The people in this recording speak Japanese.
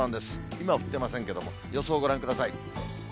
今は降ってませんけれども、予想ご覧ください。